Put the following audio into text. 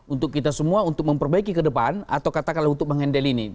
untuk kita semua untuk memperbaiki ke depan atau katakanlah untuk mengendal ini